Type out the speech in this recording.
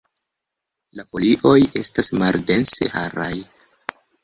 La folioj estas maldense haraj.